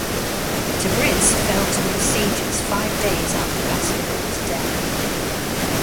Tabriz fell to the besiegers five days after Baskerville's death.